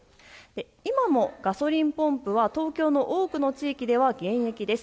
今もガソリンポンプは東京の多くの地域では現役です。